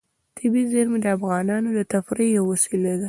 طبیعي زیرمې د افغانانو د تفریح یوه وسیله ده.